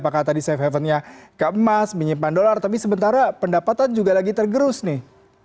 apakah tadi safe havennya ke emas menyimpan dolar tapi sementara pendapatan juga lagi tergerus nih